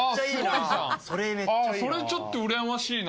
それちょっとうらやましいな。